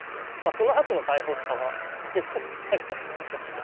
そのあとの大変さはいろいろとありましたけど。